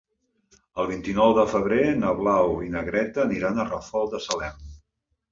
El vint-i-nou de febrer na Blau i na Greta aniran al Ràfol de Salem.